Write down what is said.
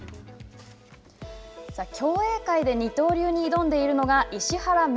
競泳界で二刀流に挑んでいるのが石原愛